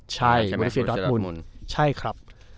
ใช่บรูเซียดอทมุนใช่ครับ